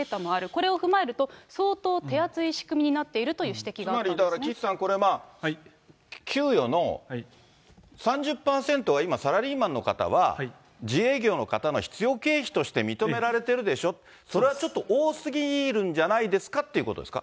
これを踏まえると、相当手厚い仕組みになっているという指摘があつまりだから、岸さんこれ、給与の３０％は今、サラリーマンの方は、自営業の方の必要経費として認められてるでしょ、それはちょっと多すぎるんじゃないですかってことですか。